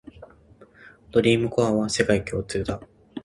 ドリームコアは世界共通だ